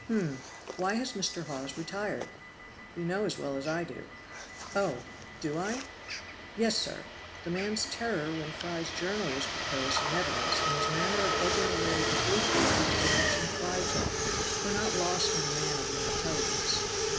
"Hum! Why has Mr. Hawes retired?" "You know as well as I do." "Oh! do I?" "Yes, sir! the man's terror when Fry's journal was proposed in evidence, and his manner of edging away obliquely to the direction Fry took, were not lost on a man of your intelligence."